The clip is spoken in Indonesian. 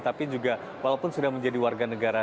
tapi juga walaupun sudah menjadi warga negara